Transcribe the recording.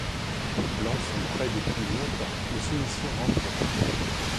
Les plans sont prêts depuis longtemps, les soumissions rentrées.